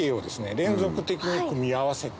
連続的に組み合わせて。